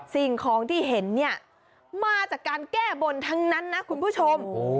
สิ่งของที่เห็นเนี่ยมาจากการแก้บนทั้งนั้นนะคุณผู้ชม